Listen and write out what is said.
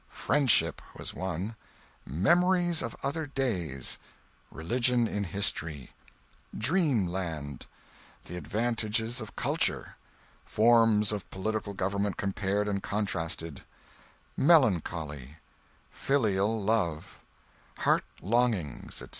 "Friendship" was one; "Memories of Other Days"; "Religion in History"; "Dream Land"; "The Advantages of Culture"; "Forms of Political Government Compared and Contrasted"; "Melancholy"; "Filial Love"; "Heart Longings," etc.